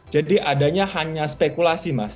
jadi adanya hanya spekulasi mas